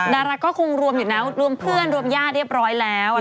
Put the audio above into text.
ดาราก็คงรวมอยู่แล้วรวมเพื่อนรวมญาติเรียบร้อยแล้ว